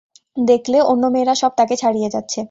দেখলে অন্য মেয়েরা সব তাকে ছাড়িয়ে যাচ্ছে।